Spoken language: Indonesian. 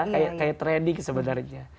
kayak training sebenarnya